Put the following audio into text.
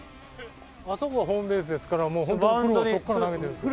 あそこがホームベースですからもう本当にプロもそこから投げてるんですよ。